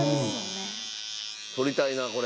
取りたいなこれ。